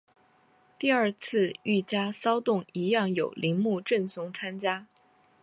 第二次御家骚动一样有铃木正雄参与。